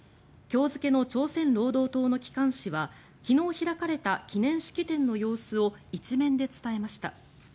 今日付の朝鮮労働党の機関紙は昨日開かれた記念式典の様子を１面で伝えました。